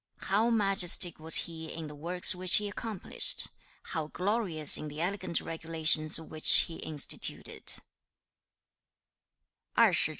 2. 'How majestic was he in the works which he accomplished! How glorious in the elegant regulations which he instituted!'